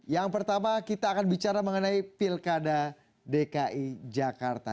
yang pertama kita akan bicara mengenai pilkada dki jakarta